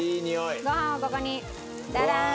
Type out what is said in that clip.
ご飯をここにダダーン！